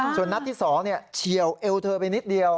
ส่วนนัดที่๒เฉียวเอวเธอไปนิดเดียว